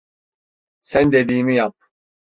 Sen dediğimi yap.